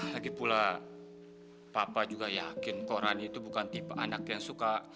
lagipula papa juga yakin kok rani itu bukan tipe anak yang suka